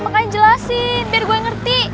makanya jelasin biar gue ngerti